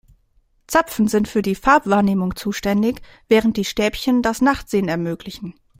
Zapfen sind für die Farbwahrnehmung zuständig, während die Stäbchen das Nachtsehen ermöglichen.